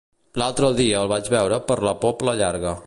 L'altre dia el vaig veure per la Pobla Llarga.